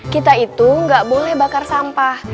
kita itu nggak boleh bakar sampah